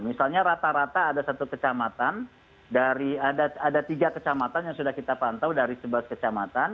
misalnya rata rata ada satu kecamatan dari ada tiga kecamatan yang sudah kita pantau dari sebelas kecamatan